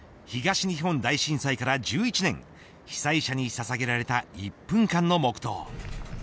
東日本大震災から１１年被災者にささげられた１分間の黙とう。